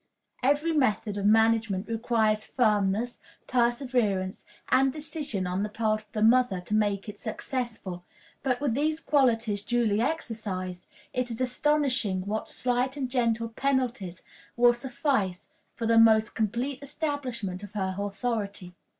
Every method of management requires firmness, perseverance, and decision on the part of the mother to make it successful, but, with these qualities duly exercised, it is astonishing what slight and gentle penalties will suffice for the most complete establishment of her authority.